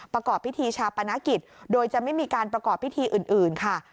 ประกอบพิธีชาปนกิจโดยจะไม่มีการประกอบพิธีอื่นค่ะ